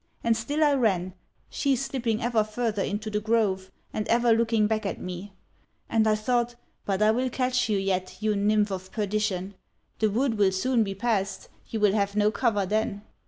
And still I ran—she slipping ever further into the grove, and ever looking back at me. And I thought: But I will catch you yet, you nymph of perdition! The wood will soon be passed, you will have no cover then!